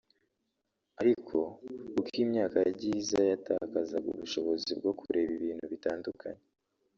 ariko uko imyaka yagiye iza yatakazaga ubushobozi bwo kureba ibintu bitandukanye